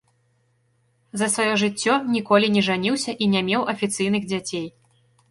За сваё жыццё ніколі не жаніўся і не меў афіцыйных дзяцей.